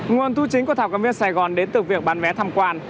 nguồn thu chính của thảo cầm viên sài gòn đến từ việc bán vé tham quan